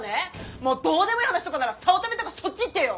もうどうでもいい話とかなら早乙女とかそっち行ってよ！